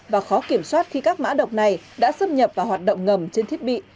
và khó kiểm soát khi các mã độc này đã xâm nhập vào hoạt động ngầm trên thiết bị